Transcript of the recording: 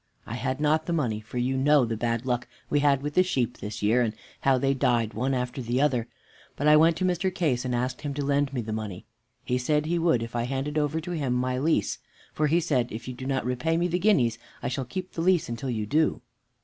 I had not the money, for you know the bad luck we had with the sheep this year, and how they died one after the other. But I went to Mr. Case and asked him to lend me the money. He said he would if I handed over to him my lease, for he said, 'If you do not repay me the guineas I shall keep the lease until you do.'"